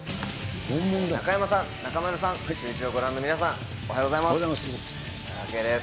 中山さん、中丸さん、シューイチをご覧の皆さん、おはようございます。